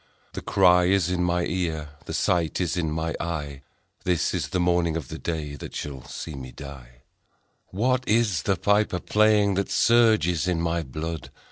The cry is in my ear, The sight is in my eye, This is the morning of the day That shall see me die : What is the piper playing That surges in my blood